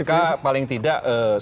mk paling tidak